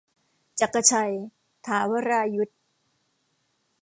จักรชัย ถาวรายุศม์